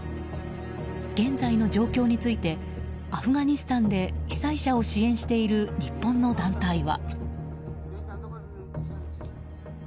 現在の状況についてアフガニスタンで被災者を支援している日本の団体は。